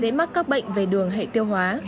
dễ mắc các bệnh về đường hệ tiêu hóa